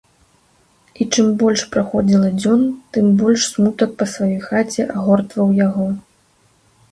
І чым больш праходзіла дзён, тым большы смутак па сваёй хаце агортваў яго.